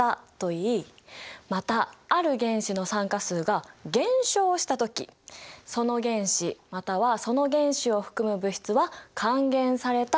またある原子の酸化数が減少した時その原子またはその原子を含む物質は還元されたというんだ。